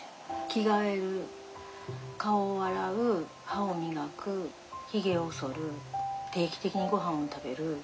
着替える顔を洗う歯を磨くひげをそる定期的にごはんを食べる。